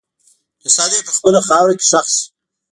جسد یې په خپله خاوره کې ښخ شي.